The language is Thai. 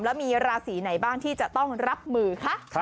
แล้วมีราศีไหนบ้างที่จะต้องรับมือคะ